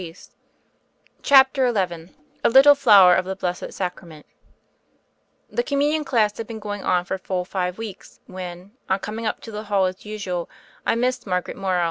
^ r* A CHAPTER XI A LITTLE FLOWER OF THE BLESSED SACRAMENT THE Communion class had been going on for full five weeks, when, on coming up to the hall as usual, I missed Margaret Morrow.